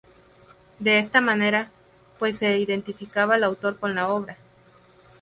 De esta manera, pues, se identificaba al autor con la obra.